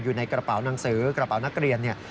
อยู่ในกระเป๋าหนังสือกระเป๋านักเรียนเนี่ย